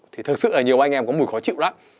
thì thực sự ở nhiều anh em có mùi khó chịu lắm